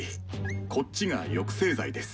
こっちが抑制剤です。